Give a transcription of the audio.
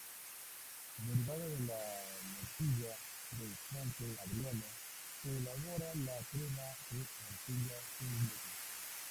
Derivada de la morcilla de Fuente-Andrino, se elabora la crema de morcilla sin gluten.